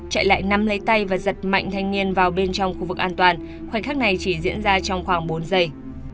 chạy lại nắm lấy tay và giật mạnh thanh niên vào bên trong khu vực an toàn khoảnh khắc này chỉ diễn ra trong khoảng bốn giây